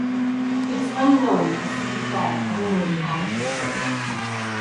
It is unknown if the city flag ever made it on to the ship.